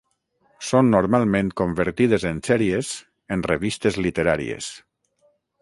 Són normalment convertides en sèries en revistes literàries.